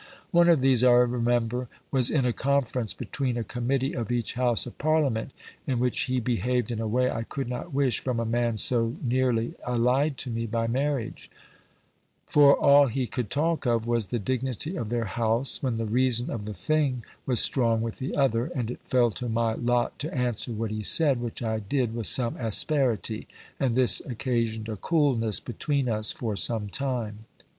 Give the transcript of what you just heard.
One of these, I remember, was in a conference between a committee of each house of parliament, in which he behaved in a way I could not wish from a man so nearly allied to me by marriage; for all he could talk of, was the dignity of their house, when the reason of the thing was strong with the other; and it fell to my lot to answer what he said; which I did with some asperity; and this occasioned a coolness between us for some time.